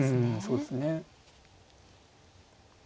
そうですね。